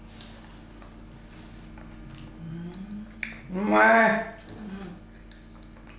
うまい！